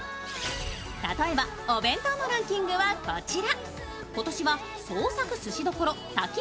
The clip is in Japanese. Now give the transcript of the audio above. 例えばお弁当のランキングはこちら。